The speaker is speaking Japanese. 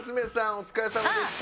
お疲れさまでした。